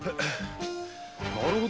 なるほど。